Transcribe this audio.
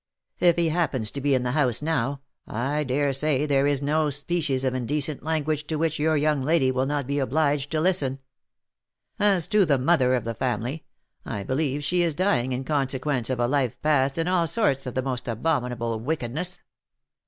If he happens to be in the house now, I dare say there is no species of indecent language to which your young lady will not be obliged to listen. As to the mother of the family, I believe she is dying in consequence of a life passed in all sorts of the most abominable wickedness.